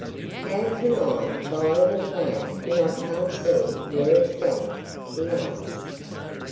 "How can I follow the plough when I can't see where it's going?" he asked.